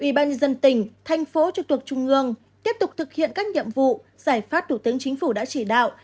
ủy ban nhân dân tỉnh thành phố trực thuộc trung ương tiếp tục thực hiện các nhiệm vụ giải pháp thủ tướng chính phủ đã chỉ đạo